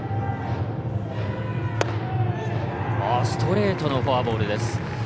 ストレートのフォアボールです。